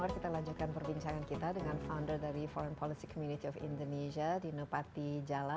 kita lanjutkan perbincangan kita dengan founder dari foreig policy community of indonesia dino patijala